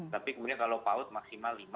tapi kemudian kalau paut maksimal